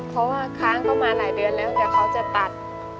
เพราะว่าค้างเขามาหลายเดือนแล้วเดี๋ยวเขาจะตัด